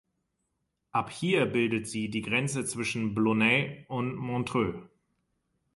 Ab hier bildet sie die Grenze zwischen Blonay und Montreux.